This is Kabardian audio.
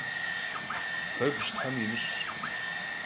Febj them yimış'!